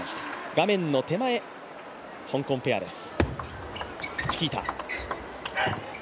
画面の手前、香港ペアです。